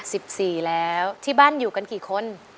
สิบสี่แล้วที่บ้านอยู่กันกี่คน